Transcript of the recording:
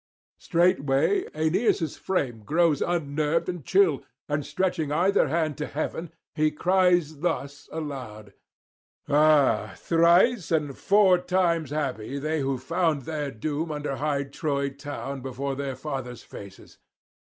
Straightway Aeneas' frame grows unnerved and chill, and stretching either hand to heaven, he cries thus aloud: 'Ah, thrice and four times happy they who found their doom under high Troy town before their fathers' faces!